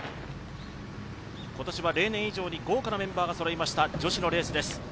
今年は例年以上に豪華なメンバーがそろいました、女子のレースです。